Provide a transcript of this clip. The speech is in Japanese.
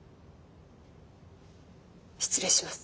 失礼します。